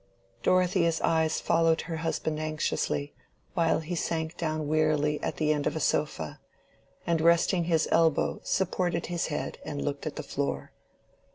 Dorothea's eyes followed her husband anxiously, while he sank down wearily at the end of a sofa, and resting his elbow supported his head and looked on the floor.